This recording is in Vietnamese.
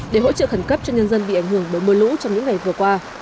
để hỗ trợ khẩn cấp cho nhân dân bị ảnh hưởng bởi mưa lũ trong những ngày vừa qua